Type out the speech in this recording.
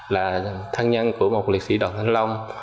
là thân nhân của một liệt sĩ đoàn thanh long